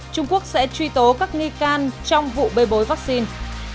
trung quốc sẽ truy tố các nghi can trong vụ bê bối vaccine